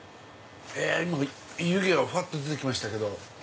今湯気がふわっと出てきましたけど。